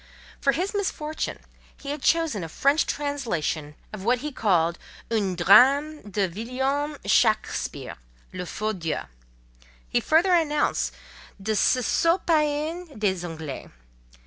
For his misfortune he had chosen a French translation of what he called "un drame de Williams Shackspire; le faux dieu," he further announced, "de ces sots païens, les Anglais."